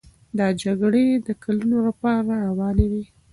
دا جګړې د کلونو لپاره روانې وې.